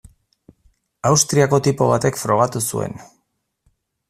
Austriako tipo batek frogatu zuen.